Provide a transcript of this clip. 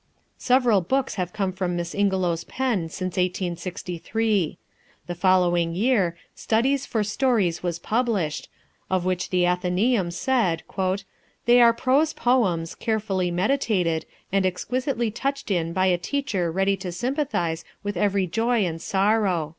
Several books have come from Miss Ingelow's pen since 1863. The following year, Studies for Stories was published, of which the Athenaeum said, "They are prose poems, carefully meditated, and exquisitely touched in by a teacher ready to sympathize with every joy and sorrow."